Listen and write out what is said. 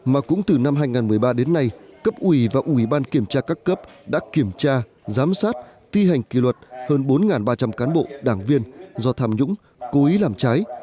mà cũng từ năm hai nghìn một mươi ba đến nay cấp ủy và ủy ban kiểm tra các cấp đã kiểm tra giám sát thi hành kỷ luật hơn bốn ba trăm linh cán bộ đảng viên do tham nhũng cố ý làm trái